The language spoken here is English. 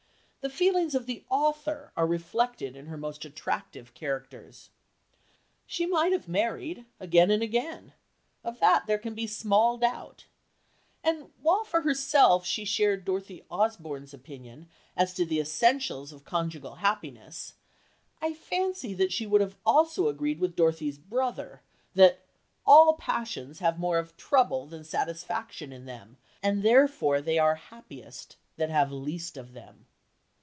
The feelings of the author are reflected in her most attractive characters. She might have married, again and again, of that there can be small doubt; and while for herself she shared Dorothy Osborne's opinion as to the essentials of conjugal happiness, I fancy that she would also have agreed with Dorothy's brother that "all passions have more of trouble than satisfaction in them, and therefore they are happiest that have least of them."